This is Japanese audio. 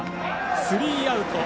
スリーアウト。